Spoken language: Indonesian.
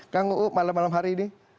kang uu malam malam hari ini